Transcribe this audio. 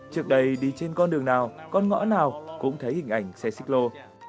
trước đây đi trên con đường nào con ngõ nào cũng thấy hình ảnh xe xích lô